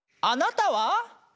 あなたは？